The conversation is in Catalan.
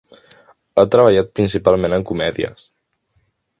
Ha treballat principalment en comèdies.